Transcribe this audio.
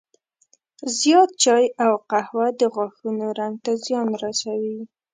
زیات چای او قهوه د غاښونو رنګ ته زیان رسوي.